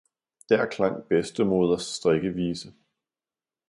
der klang bedstemoders strikkevise.